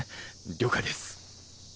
了解です